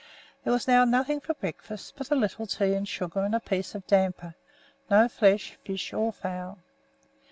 There was now nothing for breakfast but a little tea and sugar and a piece of damper: no flesh, fish, or fowl.